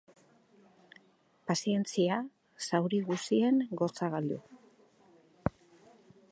Pazientzia, zauri guzien gozagailu.